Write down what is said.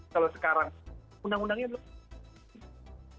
kalau sekarang undang undangnya belum